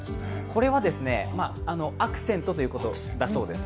これはアクセントということだそうです。